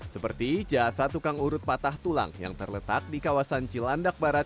seperti jasa tukang urut patah tulang yang terletak di kawasan cilandak barat